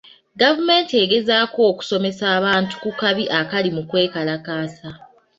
Gavumenti egezaako okusomesa abantu ku kabi akali mu kwekalakaasa.